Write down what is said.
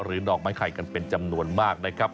ดอกไม้ไข่กันเป็นจำนวนมากนะครับ